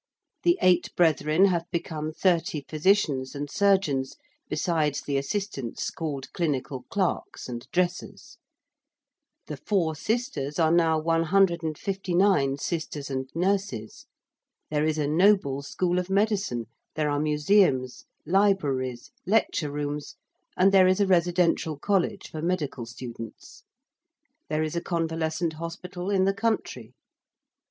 The eight brethren have become 30 physicians and surgeons besides the assistants called clinical clerks and dressers. The four sisters are now 159 sisters and nurses. There is a noble school of medicine: there are museums, libraries, lecture rooms, and there is a residential college for medical students: there is a convalescent hospital in the country.